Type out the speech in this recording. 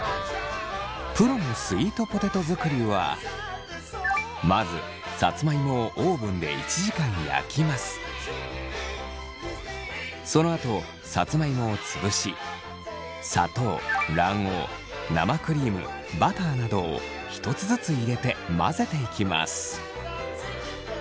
プロのスイートポテト作りはそのあとさつまいもを潰し砂糖卵黄生クリームバターなどを１つずつ入れて混ぜていきます。